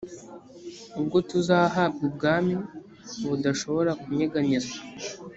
ubwo tuzahabwa ubwami budashobora kunyeganyezwa